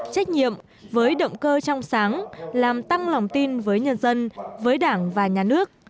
trách nhiệm với động cơ trong sáng làm tăng lòng tin với nhân dân với đảng và nhà nước